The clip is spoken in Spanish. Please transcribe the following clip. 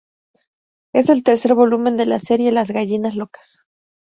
Es el tercer volumen de la serie "Las Gallinas Locas".